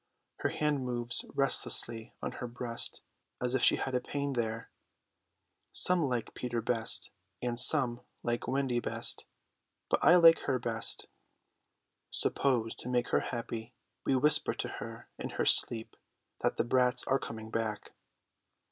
Her hand moves restlessly on her breast as if she had a pain there. Some like Peter best, and some like Wendy best, but I like her best. Suppose, to make her happy, we whisper to her in her sleep that the brats are coming back.